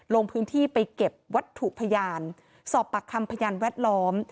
ลงพื้นที่ไปเก็บวัตถุพยานสอบปากคำพยานแวดล้อม